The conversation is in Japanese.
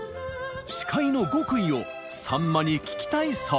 司会の極意をさんまに聞きたいそうです。